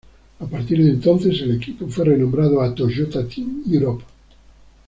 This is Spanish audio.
A partir de entonces el equipo fue renombrado a "Toyota Team Europe".